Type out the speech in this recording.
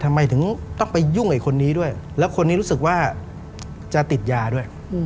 ทำไมถึงต้องไปยุ่งไอ้คนนี้ด้วยแล้วคนนี้รู้สึกว่าจะติดยาด้วย